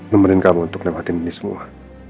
nemerin kamu untuk lewatin ini semua